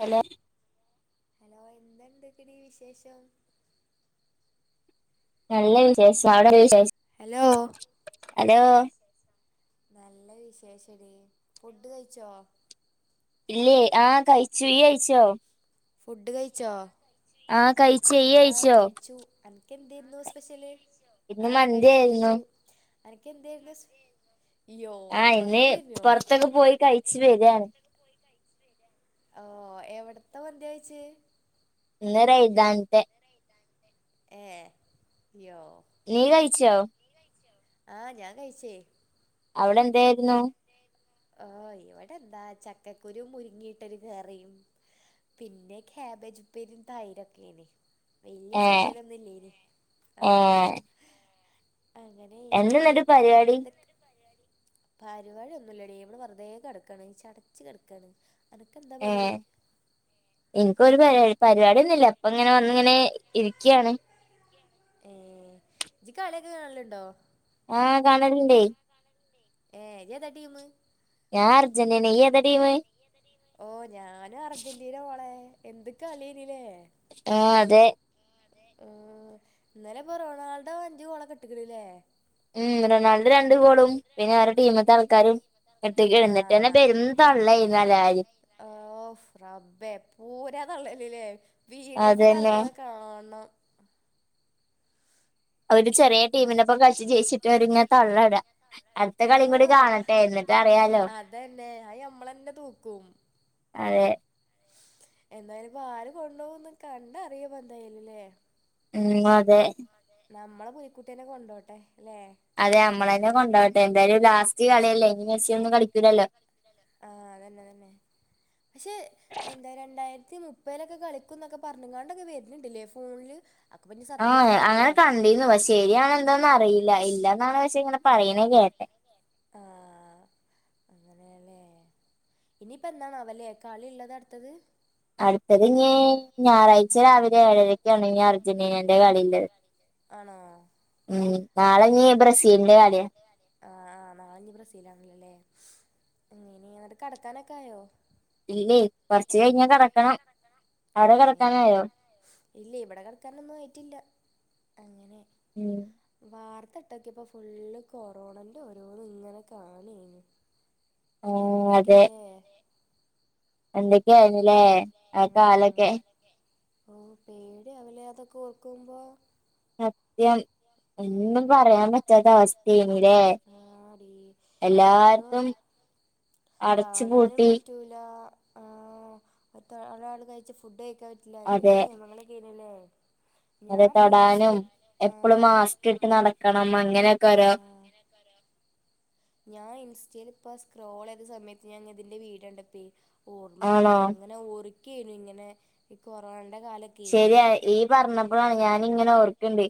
Hello hello എന്ത് ണ്ട് കിണീ വിശേഷം നല്ല വിശേഷ അവിടെ വിശേഷു ഹലോ ഹലോ നല്ല വിശേഷടി ഫുഡ് കഴിച്ചോ ഇല്ലേ ആഹ കഴിച്ചു ഇയ്യ് കഴിച്ചോ ഫുഡ് കഴിച്ചോ ആഹ കഴിച്ച ഇയ്യ് കഴിച്ചോ ആഹ് അനക്കെന്തായിരുന്നു സ്പെഷ്യല്. ഇന്ന് ആഹ മന്തി കഴിച്ചു ആയിരുന്നു കഴിച്ചു അനക്ക് ന്തെയിരുന്നു, യോ മന്തി യിരുന്നോ ഫുഡ്‌ ക്കെ പോയി കഴിച്ചു വരാണ് ഓ എവിടത്തെ മന്തി കഴിച്ചേ ഇന്ന് റൈദൻ തെ ഏഹ് യോ നീ കഴിച്ചോ ആഹ ഞാൻ കഴിച്ചേ അവിടെ എന്തായിരുന്നു ആഹ്, ഇവിടെ എന്താ ചക്കക്കുരു മുരുങ്ങിയിട്ടൊരു കറിയും പിന്നെ ക്യാബേജ ഉപ്പേരി തൈര് ഒക്കെനി വല്യ ഏഹ് സ്പെഷ്യലൊന്നുംല്ലേനി ആ ഏഹ് അങ്ങെ എന്താ എന്നിട്ട് പിന്നെ പരിപാടി എന്തൊ പരിപാടി ഒന്നുല്ലടി ഇവടെ വെറുതെകിടക്കാൻ ചടച്ച കിടക്കാണ് അനക്കെന്താ പണി ഏഹ് ഇനിക്കൊ ഒരു പരി പരിപാടിയന്നുമില്ല അപ്പ ഇങ്ങനെ വന്ന ഇങ്ങനെ ഇരിക്കുകയാണ് ഏഹ് ഇജ്ജ് കളിയൊക്കെ കാണലുണ്ടോ ആഹ് കാണലുണ്ടേ ഏഹ് ഇയ് ഏതാ ട്ടീം? ഞാൻ അർജന്റീന ഇയ് ഏതാ ടീം? ഓ ഞാനും അർജന്റീന മോളെ. എന്ത് കളിയെനിലെ ആഹ് അതെ ആഹ് ഇന്നലെ ഇപ്പൊ റൊണാൾഡോ അഞ്ച് ഗോളക്ക ട്ടിക്കിണല്ലേ ഉം റൊണാൾഡ് രണ്ട് ഗോളും, പിന്നെ വറെ ടീമത്തെ ആൾക്കാരും എട്ട കിടുന്നിട്ട്ന്നെ പെരും തള്ളായിരുന്നുല്ലാരും ഓ റബ്ബേ പൂരാ തള്ളലല്ലേ! അതന്നെ വീഡോസൊക്കെറങ്ങണ കാണണം അവര് ചെറിയ ഇനിപ്പ ടീമിനൊപ്പ കളിച്ച് ജയിച്ചിട്ടും ഒരുങ്ങ തള്ളടാ. അടുത്ത കളിയും കൂടി ആഹ് കാണട്ടെ ന്നട്ട് അതന്നെ അയ് മ്മളന്നെ തൂക്കും അതെ എന്തായാലും ഇപ്പൊ ആര് കൊണ്ടുപോകന്ന് കണ്ട അറിയ പ്പൊ എന്തായലല്ലേ ഉം അതെ നമ്മളെ പുലിക്കുട്ടീനെ കൊണ്ടോട്ടെ അല്ലെ അതെ മ്മളന്നെ കൊണ്ടോട്ടെ, എന്തായാലും ലാസ്റ്റ് കളിയല്ലേ ഇനി മെസി ഒന്നും കളിക്കൂലല്ലോ ആഹ്തന്നെ തന്നെ പക്ഷെ എന്തായ രണ്ടായിരത്തി മുപ്പലൊക്കെ കളിക്കും എന്നൊക്കെ പറഞ്ഞ ങ്ങാണ്ടൊക്കെ വരണ്ണ്ട്ല്ലെ ഫോണില് അപ്പപിന്ന സത്യമാണാവല്ലേ [unintelligible] ശരിയാണ എന്തോന്നും അറിയില്ല ഇല്ലന്നാണ് പക്ഷെ ഇങ്ങനെ പറയണേ കേട്ടെ ആഹ് അങ്ങനെയല്ലേ ഇനിയിപ്പോ എന്താണവല്ലേ കളി ഉള്ളത് അടുത്തത് അടുത്തത് ഞ്ഞി ഞായറാഴ്ച രാവിലെ ഏഴരക്കെയാണ് ഇ അർജന്റീനന്റെ കളിള്ളത് ആണോ ഉം നാളെ നീ ബ്രസീലിന്റെ കളിയ ആ ആഹ് നാളിഞ് ബ്രസീലാണല്ലല്ലേ അ ഇനി എന്നിട്ട കടക്കാനൊക്കെ ആയോ ഇല്ലേ കൊറച്ച് കഴിഞ്ഞാ കിടക്കണം അവിടെ ഏഹ് കിടക്കാനായോ ഇല്ല ഇവിടെ കിടക്കാനൊന്നും ആയിട്ടില്ല അങ്ങനെ ഉം വാർത്ത ഇട്ടൊക്ക്യപ്പോ ഫുള് കൊറോണന്റെ ഓരോന്നും ഇങ്ങനെ കാണേനും ആഹ് എന്തൊക്കെയല്ലേ എന്തൊക്കെയായിനല്ലേ ആ കാലൊക്കെ ഒ പേടി അവ്‌ലെ അതൊക്കെ ഓർക്കുമ്പോ സത്യം ഒന്നും ഉം പറയാൻ പറ്റാത്ത അവസ്ഥേനല്ലേ ആടി എത്രയോ എല്ലാർക്കും കാണാനും പറ്റൂല അ മറ്റ ഒരാൾ കഴച്ച് ഫുഡ് കഴിക്കാൻ പറ്റ ല എന്തൊക്കെ അതെ നിയമങ്ങളൊക്കെനല്ലേ അതെ തൊടാനും എപ്പളും മാസ്ക് ഇട്ട് നടക്കണം അങ്ങനൊക്കെ ആ അങ്ങനെക്കോരൊ ഞാൻ ഇൻസ്റ്റയിൽ ഇപ്പ സ്ക്രോൾ ചെയ്ത സമയത്ത് ഞാൻ ഇതിന്റെ വീഡിയോണ്ടപ്പേ ഓർമ്മ ആണോ വന്നത് ഇങ്ങനെ ഒർക്കനു ഇങ്ങനെ ഈ കൊറോണന്റെ കാല ശരിയ ഇയ് പറഞ്ഞപ്പോഴാണ് ഞാനിങ്ങനെ ഓർക്കണ്ട്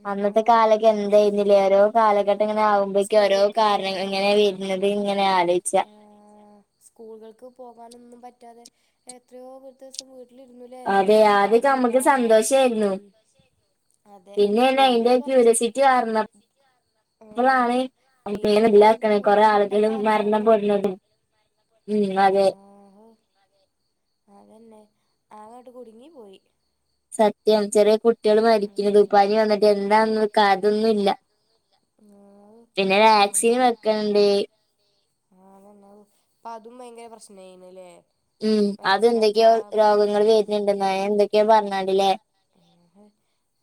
ആ അന്നത്തെ ഊ, കാലൊക്കെ എന്തയ്നുലേ ഓരോ ആ, കാലഘട്ടം ഇങ്ങനെ ആകുമ്പോക്കും സ്കൂൾ ഓരോ ആ കാരണങ്ങളിങ്ങനെ വ ന്നത് ഇങ്ങനെ ആലോച്ച ഏഹ് സ്കൂളുകൾക്ക് പോകാനൊന്നും പറ്റാതെ എത്രയോ ദിവസം വീട്ടിലിരുന്നലേ അതെ ആദ്യൊക്കെ പണില്ല നമ്മക്ക് അതെ പിന്നെയല്ല പിന്നെ അയിന്റെ കൊറച്ച് ക്യൂരിയോസിറ്റി കാരണം ഓഹ് അപ്പളാണ് നമുക്ക് ന്ന പിന്നെ അതിന്റെ ഇല്ലാക്കണ കൊറെ ബുദ്ധിമുട്ടൊക്കെ ആളുകളും മരണം പെടുന്നത് ആഹോ അതന്നെ അങ്ങോട്ട് കുടുങ്ങി പോയി സത്യം ചെറിയ കുട്ടികൾ മരിക്കുന്നത് പനി വന്നിട്ട് എന്താ അതൊന്നുമല്ല ആഹ് പിന്നെ വാക്സിന് വെക്കണണ്ട് ആഹ അതന്നാ ഇപ്പ അതും ഭയങ്കര പ്രശ്നായിനല്ലേ ഉം അതെന്തൊക്കെയോ രോഗങ്ങൾ വരുന്നുണ്ടെന്ന എന്തൊക്കെയോ പറഞ്ഞണാടില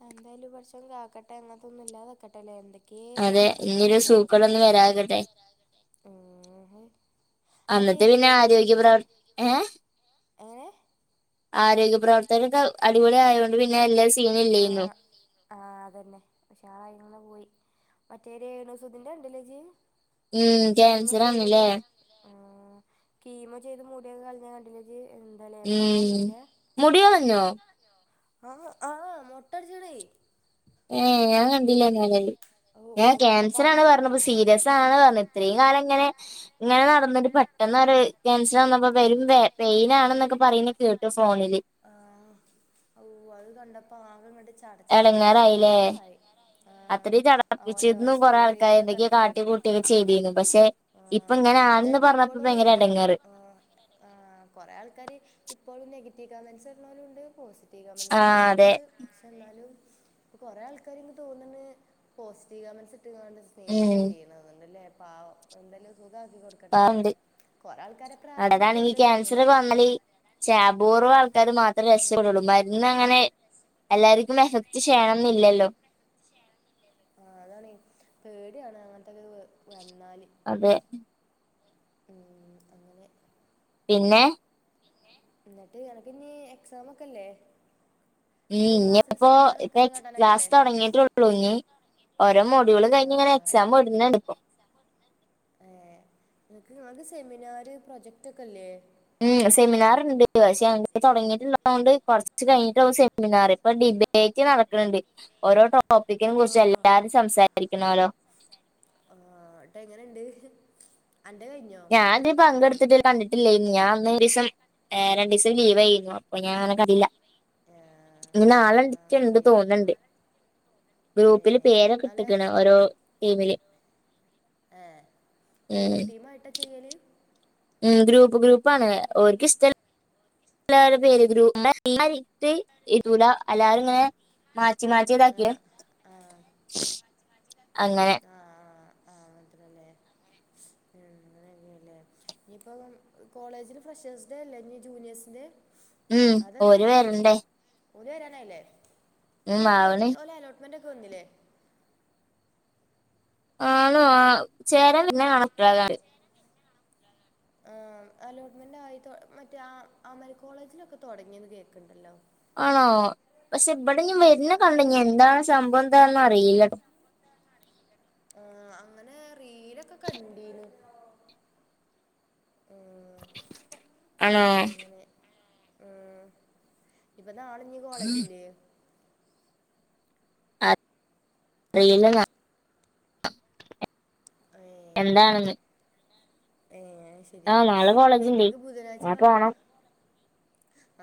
എന്തായാലും പടച്ചോൻ കാക്കട്ടെ അങ്ങനത്തൊന്നും ഇല്ലാതൊക്കട്ടെല്ലേ എന്തൊക്ക ഒക്കെ ഇപ്പൊ അതെ ഇനിയൊരു നടത്തണത് ലോകത്ത് സൂക്കേടൊന്നും വരാതിരിക്കട്ടെ മറ്റേ അന്നത്തെ പിന്നെ രേണു ആരോഗ്യ സുധി പ്രവർ ഏഹ് എങ്ങനെ ആരോഗ്യ പ്രവർത്തകർക്ക അടിപൊളി ആയതോണ്ട് പിന്നെ എല്ലാ സീനല്ലേന്നു ആഹ അതന്നെ പക്ഷെ ആളായി ഇങ്ങെ പോയി മറ്റേ രേണുസൂധിന്റെ കണ്ടില്ലേ ഇജ്ജ് ഉം കീമോ ക്യാൻസർ ചെയ്തത് ആന്ന്ല്ലേ ആ കീമോ ചെയ്ത് മൂടിയൊക്കെ കളിഞ്ഞാ കണ്ടിലേ ഇജ്ജ് എന്താലേ ഉം പാവണ്ടല്ലേ മുടികളഞ്ഞോ ആ ആ മൊട്ടടിച്ചക്കണ് ഏഹ് ഞാൻ കണ്ടില്ലേ എന്നല് ഓ ഞാൻ അത് കണ്ടപ്പാ ക്യാൻസർ ആണ് പറഞ്ഞപ്പ സീരിയസ ആണ പറഞ്ഞ ഇത്രയും കാലം ഇങ്ങനെ ഇങ്ങനെ നടന്നിട്ട് പെട്ടെന്നൊര് ക്യാൻസർ വന്നപ്പോ പെരും വേ പെയിനാണ് ന്നൊക്കെ പറയുന്നേ കേട്ടു ഫോണില് ആഹ് അവൂ അത് കണ്ടപ്പോ ആകെങ്ങട്ട് ചടച്ചാകംങ്ങട്ട് എടങ്ങാറായില്ലേ ഇടങ്ങാറായി ആഹ് അത്രയും ഓലെ തടപ്പിച്ചിരുന്നു കൊറേ സ്റ്റോറി ആൾക്കാര് എന്തൊക്കെയോ എന്തൊക്കെണ്ടപ്പോഴെ [unintelligible] ചെയ്തിരുന്നു പക്ഷെ ഇപ്പൊ ഇങ്ങനൊണെന്ന് ഇന്നട്ട് പറഞ്ഞപ്പോ ഇപ്പളും ഭയങ്കര ഇടങ്ങാറ് ആഹ് ആഹ് കൊറെ ആൾക്കാര് ഇപ്പോഴും നെഗറ്റീവ് കമൻ്റ്സ് ഇടുന്നോരും ഉണ്ട് പോസിറ്റീവ് ആ പ്രത്യേക [unintelligible] അതെ ഉണ്ട് പക്ഷെ എന്നാലും ഇപ്പ കൊറേ ആൾക്കാര് ഇനിക്ക്തോന്നണ്ട് പോസിറ്റീവ് കമൻ്റ്സ് ഇട്ട് സ്നേഹിച്ച ഉം ചെയ്യണ എന്നണ്ടല്ലേ പാവം എന്തായാലും സുഖമാക്കി കൊടുക്കട്ടല്ലെ പാവണ്ട് കൊറെേ ആൾക്കാര പ്രാർത്ഥനൊക്കെ ഇണ്ട് തോന്നന്ന് ചാപൂർവ്വം ആൾക്കാർ മാത്രേ രസപ്പെടുള്ളൂ മരുന്ന് അങ്ങനെ എല്ലാവർക്കും എഫക്ട് ചെയക്ഷ്യണം എന്നില്ലല്ലോ ആഹ് അതാണ് പേടിയാണ് അങ്ങനത്തക്കെ വന്നാല് അതെ പിന്നെ പിന്നെ എന്നിട്ട് എനക്ക് ഇനി എക്സാം ഒക്കെല്ലേ ഈ ഇനിപ്പോ ഇപ്പ എടുക്കാനും കാട്ടാനൊക്കെ ക്ലാസ് അല്ലേ തുടങ്ങിയിട്ടുള്ള [unintelligible] ഓരോ മോഡിയുള് ആ കഴിഞ് ഇങ്ങനെ എക്സാം [unintelligible] എടുക്കും ഏഹ് നിക്ക് നിങ്ങക്ക് സെമിനാർ പ്രൊജക്ട് റ്റൊക്കെല്ലേ മ്മ് സെമിനാറ് ഉണ്ട് പക്ഷെ [unintelligible] തുടങ്ങിട്ടുള്ളതുക കൊണ്ട് കുറച്ച് കഴിഞ്ഞിട്ടാവക സെമിനാർ ഇപ്പൊ ഡിബേറ്റ് നടക്കുന്നുണ്ട് ഓരോ ടോപ്പിക്കിനെ ആ കുറിച്ച് എല്ലാവാരും സംസാരിക്കണല്ലോ ആഹ് എട്ട് എങ്ങനുണ്ട് അന്റെ കഴിഞ്ഞോ ഞാനൻ ദെ പങ്കെടുത്തിട്ടി [unintelligible] ഇന്ന് ഞാൻ ഒന്ന് ഒരു ദിവസം രണ്ട് ദിവസം ലീവായിരുന്നു അപ്പൊ ഞാൻ അങ്ങനെ കഴില്ല ആ ഇനി ആ നാളെണ്ട് നിക്ക്ണ്ട് ശരി തോന്നണ്ട് ഏ ഗ്രൂപ്പില് പേരൊക്കെ നല്ല ഇട്ടിക്കണ് ഓരോ ടീമില് ഏഹ് ഉം ടീമ് ടീമ് ആയിട്ടാ ചെയ്യല് ഉം ഗ്രൂപ്പ് ഗ്രൂപ്പ് ആണ് ഓർക്ക് ഇഷ്ട്ടല്ല എല്ലാവരുടെ പേര് [unintelligible] ഇതൂല എല്ലാവരും ഇങ്ങനെ മാച്ചി മാറ്റി ഇതാക്കി ആ ആ അങ്ങനെ ആഹ് ആഹ് മത്രല്ലേ ആഹ് അങ്ങനെയക്കെയല്ലേ ഇനിയിപ്പം കോളേജിൽ ഫ്രഷേഴ്സ് ഡേ അല്ലേഇനി ജൂനിയേഴ്സിന് ഉം അതെന്നാ ഓര് വരണ്ടേ ഓല്വരാനല്ലേ ഉം ആവണ് [unintelligible] ഓലലോട്ട് [unintelligible] വന്നില്ലേ ആണോ ചേരാൻ അലോട്ട് പിന്നെ [unintelligible] ആഹ് അലോട്ട്മെന്റ് ആയി മറ്റേ അമൽ കോളേജിലൊക്കെ തുടങ്ങിയന്ന് കേക്കണ്ടല്ലോ ആണോ പക്ഷെ ഇവിടെഞൻ വരുന്ന ആ കണ്ട ഞൻ അങ്ങനെ എന്താണ് സംഭവം എന്താണെന്ന് അറിയില്ലട്ടോ ആഹ് അങ്ങനെ റീലൊക്കെ കണ്ടീന്നു [unintelligible] ആണൊ ആഹ് ഇപ്പൊ നാള ഇനി കോളേജില്ലേ [inaudible] ഏഹ് എന്താണ്ന്ന് ഏഹ് ശരി നാളെ കോളേജിണ്ട് നിങ്ങക്ക് ബുധനാഴ്ച ഞാൻ കാ പോണം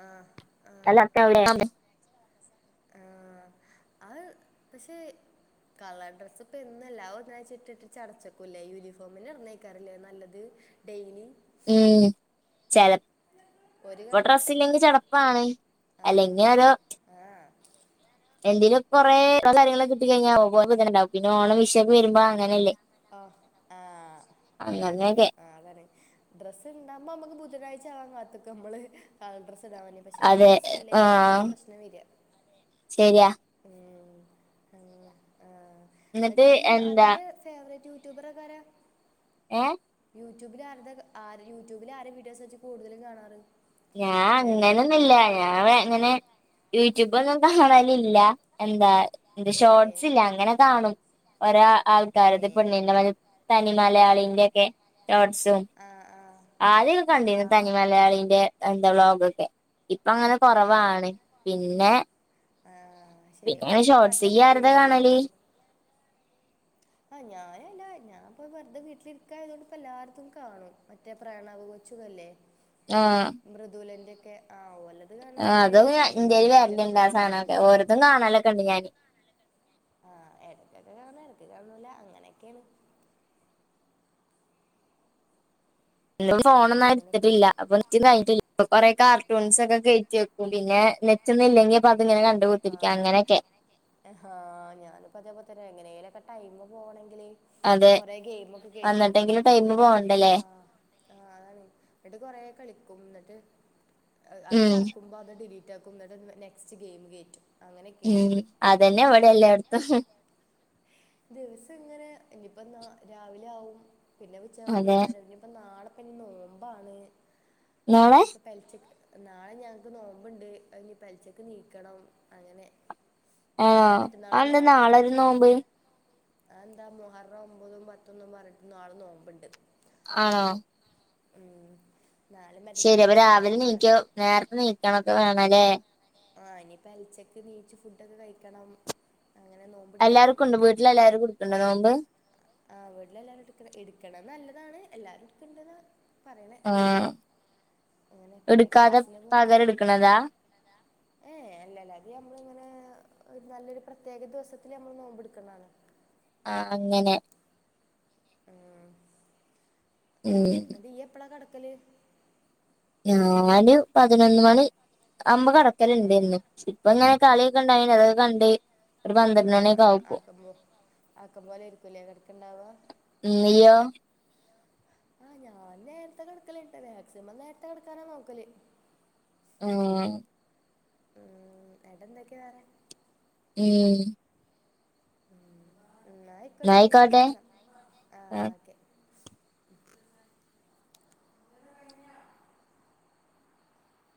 ആഹ് [unintelligible] ആഹ് അത് പക്ഷേ കളർ ഡ്രസ്സ് ഇപ്പൊ എന്നല്ല ആ ഒരാഴ്ച്ച ഇട്ട്ട് ചടച്ചക്കൂലെ യൂണിഫോമന്നെ ഇറന്നേക്കാറില്ലേ നല്ലത് ഡെയ്ലി ഉം ചെല ഒരു ഇപ്പൊ കണക്ക് ഡ്രസ്സ് ഇല്ലെങ്കിൽ [unintelligible] [unintelligible] ആ അല്ലെങ്കി [unintelligible] ആ എന്തിനലും കൊറെേ കയങ്ങളൊക്ക കിട്ടി കഴിഞ്ഞ പോണ്ടും പിന്നെ ഓണം വിഷയ ഒക്കെ വരുമ്പോ അങ്ങനെയല്ലേ ഓ ആഹ് അങ്ങനെയൊക്കെ ആഹ് അതാണ് ഡ്രസ്സ് ഉണ്ടാവുമ്പോ നമുക്ക് ബുധനഴ്ചവാ കാത്തൊക്കെ നമ്മള് ഡ്രസ്സ് ഇടാവാനും പക്ഷെ അതെ ഡ്രസ് ഇല്ലെങ്കിലിൽ ആണ് ആഹ് അവിടെ പ്രശ്നം വരിക ശരിയാ ഉം അങ്ങ ആഹ് എന്നിട്ട് ഈ അന്റെ ഫേവററ്റ് യൂട്യൂബർൊക്കാര ഏഹ് യൂട്യൂബില ആരുടെ ആ യൂട്യൂബില ആരെ വീഡിയോസ് വെച്ച് കൂടുതലും കാണാറ് ഞാൻ ഫേവറേറ്റ് അങ്ങനൊന്ന ഇല്ല യൂട്യൂബർ ആരാ ചോദിക്കുക ഞാൻ എങ്ങനെ യൂട്യൂബ ഒന്നും കാണലില്ല എന്താ എന്ത ഏ ഷോർട്സില്ലേ അങ്ങനെ കാണും ഒരാ ആൾക്കാരത് ഏ പെണ്ണിന്റെ തനി മലയാളിന്റെറെ ഒക്കെ ഷോർട്ട്സ് ആ ആ ആദ്യ ആ കണ്ടിരുന്നു തനി മലയാളിന്റെ എന്താ വ്ലോഗൊക്കെ ഇപ്പൊ അങ്ങനെ ഏ കുറവാണ് പിന്നെ ആ ശരി പിന്നെ ഓരിപ്പം ഷോർട്ടസ് ഈ നാട്ടിലൊക്കെ ആരതാ എത്തിക്കണല്ലോ കാണലേ ആഹ് ഞാനല്ല ഞാനിപ്പ വെറുതെ വീട്ടിലിരിക്കയതുകൊണ്ട് ഇപ്പ എല്ലാടക്കും കാണും മറ്റ പ്രണവ് കൊച്ചുവല്ലേ ആഹ് മൃദുലന്റെയൊക്കെ ആവുമല്ലോ അതും ഇന്ത്യൽ വരല ഇണ്ടാ ഇപ്പം സാധനൊക്കെ ഓരോത്തും കാണാനൊക്കെ ഉണ്ട് ഞാന് ആഹ് ഇടയ്ക്കൊക്കെ കാണാ ഇടയ്ക്ക് കാന്നൂല അങ്ങനെയൊക്കെയാണ് എ ഫോണൊന്നും അങ്ങനെയൊക്കെ എടുത്തിട്ടില്ല അപ്പൊ കിട്ടില്ല കൊറെേ കാർട്ടൂൺസ് ഒക്കെ കയറ്റി പിന്നെ നെച്ചന്ന ഇല്ലങ്കിപ്പ അത്ങ്ങനെ കണ്ടുകുത്തിരിക്കാം അങ്ങനെയൊക്കെ ഹാ ഞാനിപ്പ അതേ പത്തേ എങ്ങനെേലൊക്കെ ടൈം പോകണെങ്കില് അതെ കൊറെ ഗെയിം ഒക്കെ കേറ്റി വെക്കും വന്നിട്ടെങ്കിലും ടൈമ് എന്നിട്ട് അതി പോകണ്ടല്ലേ ആഹ് ആഹ് അതാണ് എന്നിട്ട് കൊറെേ കളിക്കും എന്നിട്ട് അത് ഉം ചേർക്കുമ്പോ അത് ഡിലീ ലീറ്റ് ആക്കും നെസ്റ്റ് ഗയിം കേറ്റും ഉം അതന്നെ അവിടെ എല്ലായിടത്തും ദിവസം ഇങ്ങനെ ഇയിപ്പ എന്നാ രാവിലെ ആവും പിന്നെ ഉച്ച ആവും അതെ വൈകുന്നേരം അവ അപ്പൊ നാളെപ്പിന്നെ നോമ്പാണ് നാളെ പലിച്ചക്ക് നാളെ ഞങ്ങൾക്ക് നോമ്പുണ്ട് അതിന് പലിച്ചക്ക് നീക്കണം അങ്ങനെ ആണോ നാളെ മറ്റന്നാള നോ അതെന്താ നാളെ ആഹ് ഒരു എന്നാ നോമ്പ് ആഹ് എന്താ മൊഹറം ഒമ്പതും പത്തൊന്നും പറഞ്ഞിട്ടന്ന് നാളെ നോമ്പിണ്ട് ആണോ ഉം നാളെ മറ്റന്നാൾ ശരി അപ്പൊ ഇനിയിപ്പോൾ രാവിലെ നോമ്പാണ് നീക്കോ നേരത്തെ നീക്കണൊക്കെ വേണംല്ലേ ആഹ് ഇനിയിപ്പോ അലച്ചക്ക് നീച്ച് ഫുഡ ഒക്കെ കഴിക്കണം അങ്ങനെ നോ എല്ലാവർക്കും ഉണ്ട് വീട്ടിൽ എല്ലാവർക്കും എടുക്കണ്ട നോമ്പ് ആഹ് വീട്ടില എല്ലാരും എടുക്ക എടുക്ക നല്ലതാണ് എല്ലാരും എടുക്കണ്ടത് പറയണെ ആ അങ്ങനെ പിന്നെ എടുക്കാതെ ക്ലാസില് പകരം എടുക്കണതാ ഏ അല്ലല്ല അത് നമ്മളിങ്ങനെ ഒരു നല്ലൊരു പ്രത്യേക ദിവസത്തിൽ നമ്മള് നോമ്പ്ടുക്കുന്നതാണ് ആഹ് അങ്ങനെ ആഹ് ഉം അനെ അത് ഈ എപ്പഴാ കടക്കല് ഞാന് പതിനൊന്ന് മണി അമ്പ് ഏ കടക്കലുണ്ടന്ന് ഇപ്പ ഇങ്ങനെ കളിയൊക്കെ ഉണ്ടായി അതൊക്കെ കണ്ട് ഒരു പന്ത്രണ്ട് മണിയൊക്കെ ആഹ് ആവുപ്പോ ആഹ് ആക്കോ ആക്കം പോലെ ഇരിക്കൂല കിടക്കുണ്ടവാ ഉം ഇയോ ആഹ് ഞാൻ നേരത്തെ കിടക്കലിണ്ട് മാക്സിമം നേരത്തെ കിക്കാനാ നോക്കല് ഉം ഉടന്തൊക്കെയ വറെ ഉം ഉം എന്നായിക്കോട്ടെടീ ന്നായിക്കോട്ടെ ശെരിന്നാ, ആ ഓക്കെ.